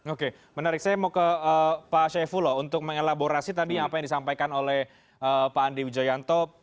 oke menarik saya mau ke pak syaifullah untuk mengelaborasi tadi apa yang disampaikan oleh pak andi wijayanto